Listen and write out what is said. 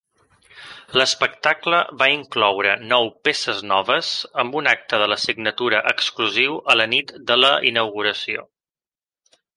L'espectacle va incloure nou peces noves, amb un acte de la signatura exclusiu a la nit de la inauguració.